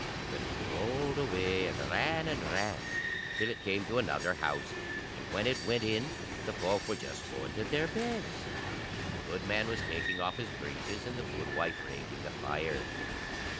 But it rolled away and ran, and ran, till it came to another house; and when it went in the folk were just going to their beds. The goodman was taking off his breeches, and the goodwife raking the fire.